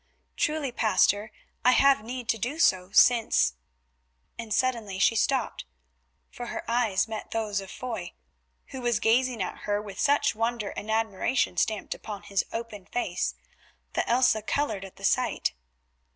"Truly, Pastor, I have need to do so since—" and suddenly she stopped, for her eyes met those of Foy, who was gazing at her with such wonder and admiration stamped upon his open face that Elsa coloured at the sight.